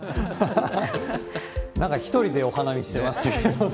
なんか、１人でお花見してましたけれどもね。